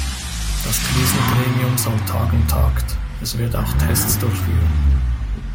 Das Krisengremium soll tagen tagt, es wird auch Tests durchführen.